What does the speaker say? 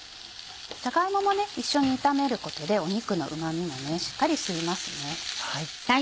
じゃが芋も一緒に炒めることで肉のうまみもしっかり吸います。